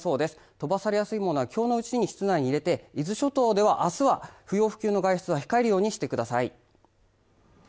飛ばされやすいものは今日のうちに室内に入れて伊豆諸島ではあすは不要不急の外出は控えるようにしてください